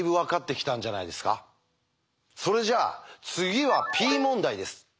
それじゃあ次はＰ問題です。